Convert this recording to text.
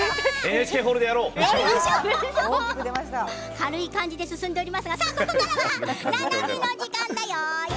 軽い感じで進んでいますがここからは、ななみの時間だよ。